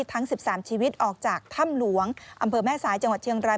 ทั้ง๑๓ชีวิตออกจากถ้ำหลวงอำเภอแม่สายจังหวัดเชียงราย